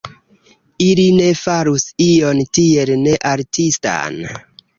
Ili ne farus ion tiel ne-artistan.